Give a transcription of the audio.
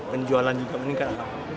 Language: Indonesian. penjualan juga meningkat